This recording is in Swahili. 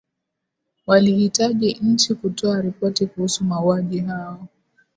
walihitaji nchi kutoa ripoti kuhusu mauaji hayo